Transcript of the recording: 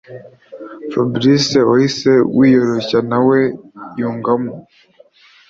Fabric wahise wiyoroshya nawe yungamo